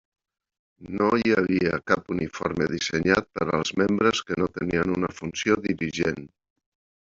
No hi havia cap uniforme dissenyat per als membres que no tenien una funció dirigent.